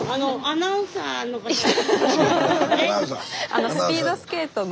あのスピードスケートの。